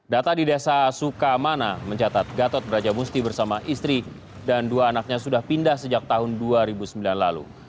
data di desa sukamana mencatat gatot brajamusti bersama istri dan dua anaknya sudah pindah sejak tahun dua ribu sembilan lalu